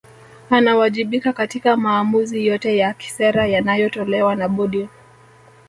Anawajibika katika maamuzi yote ya kisera yanayotolewa na Bodi